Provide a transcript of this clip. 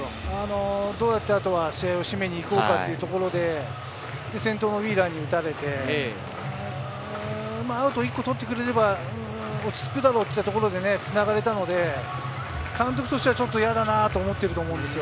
どうやって試合を締めにいこうかというところで先頭のウィーラーに打たれて、アウト１個取ってくれれば落ち着くだろうというところで繋がれたので、監督としてはちょっと嫌だなと思ってると思うんですよ。